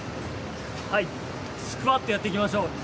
スクワットやっていきましょう。